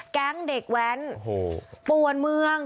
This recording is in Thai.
แก๊งเด็กแว้นป่วนเมือง